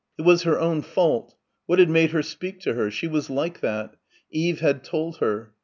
It was her own fault. What had made her speak to her? She was like that.... Eve had told her.